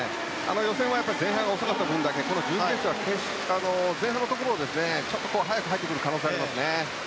予選は前半が遅かった分だけ準決勝は前半のところを早く入ってくる可能性あります。